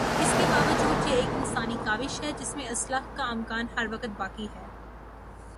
اس کے باوجود یہ ایک انسانی کاوش ہے جس میں اصلاح کا امکان ہر وقت باقی ہے۔